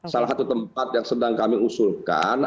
salah satu tempat yang sedang kami usulkan